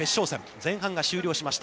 前半が終了しました。